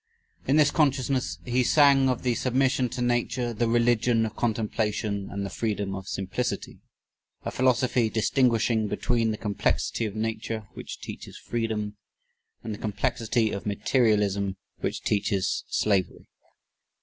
In this consciousness he sang of the submission to Nature, the religion of contemplation, and the freedom of simplicity a philosophy distinguishing between the complexity of Nature which teaches freedom, and the complexity of materialism which teaches slavery.